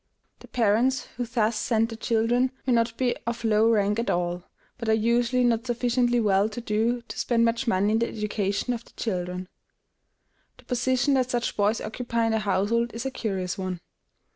The parents who thus send their children may not be of low rank at all, but are usually not sufficiently well to do to spend much money in the education of their children. The position that such boys occupy in the household is a curious one.